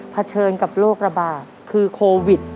เผชิญกับโรคระบาคคือโควิด๑๙